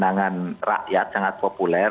itu senangan rakyat sangat populer